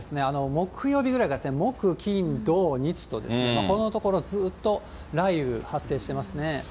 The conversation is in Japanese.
木曜日ぐらいから木、金、土、日とこのところ、ずっと雷雨発生していますね。